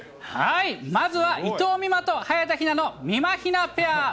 まずは伊藤美誠と早田ひなのみまひなペア。